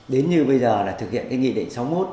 đến như bây giờ là thực hiện cái nghị định sáu mươi một